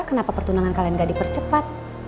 kenapa pertunangan kalian gak dipercepat